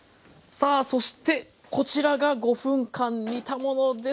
さあそしてこちらが５分間煮たものです！